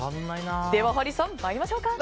ではハリーさん、参りましょうか。